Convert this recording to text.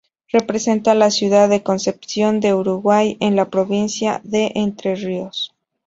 Representa a la ciudad de Concepción del Uruguay, en la Provincia de Entre Ríos.